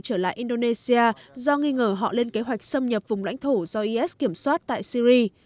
trở lại indonesia do nghi ngờ họ lên kế hoạch xâm nhập vùng lãnh thổ do is kiểm soát tại syri